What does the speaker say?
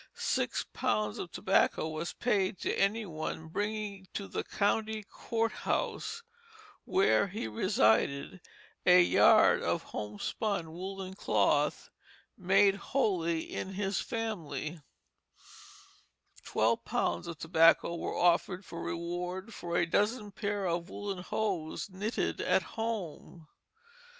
Six pounds of tobacco was paid to any one bringing to the county court house where he resided a yard of homespun woollen cloth, made wholly in his family; twelve pounds of tobacco were offered for reward for a dozen pair of woollen hose knitted at home.